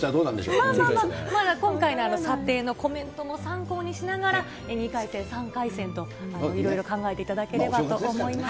まあまあまあ、今回の査定のコメントも参考にしながら、２回戦、３回戦といろいろ考えていただければと思います。